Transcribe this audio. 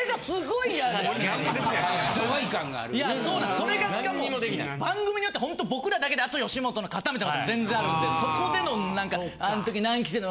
それがしかも番組によってはホント僕らだけであと吉本の方みたいなことも全然あるんでそこでの何かあん時何期生の。